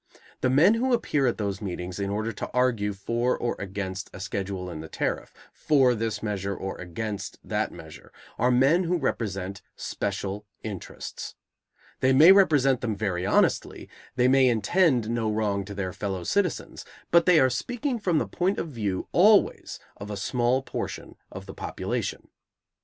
The men who appear at those meetings in order to argue for or against a schedule in the tariff, for this measure or against that measure, are men who represent special interests. They may represent them very honestly, they may intend no wrong to their fellow citizens, but they are speaking from the point of view always of a small portion of the population.